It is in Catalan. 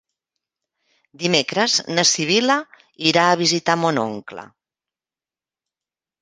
Dimecres na Sibil·la irà a visitar mon oncle.